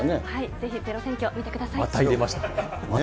ぜひｚｅｒｏ選挙見てくださまた言いました。